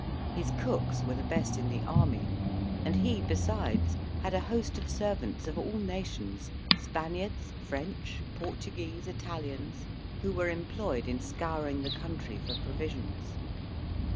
His cooks were the best in the army, and he, besides, had a host of servants of all nations Spaniards, French, Portuguese, Italians who were employed in scouring the country for provisions.